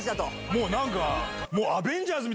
もう何か。